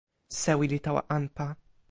sewi li tawa anpa.